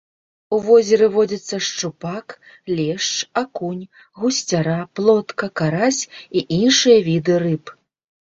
У возеры водзяцца шчупак, лешч, акунь, гусцяра, плотка, карась і іншыя віды рыб.